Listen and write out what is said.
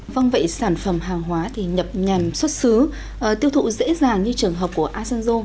vâng vậy sản phẩm hàng hóa thì nhập nhằn xuất xứ tiêu thụ dễ dàng như trường hợp của asanjo